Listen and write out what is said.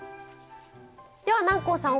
では南光さん